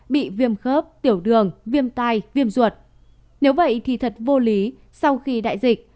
bị viêm khớp tiểu đường viêm tai viêm ruột nếu vậy thì thật vô lý sau khi đại dịch